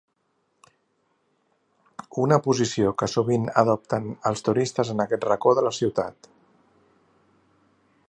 Una posició que sovint adopten els turistes en aquest racó de la ciutat.